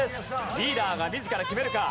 リーダーが自ら決めるか？